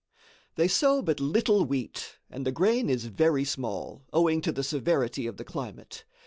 They sow but little wheat and the grain is very small, owing to the severity of the climate.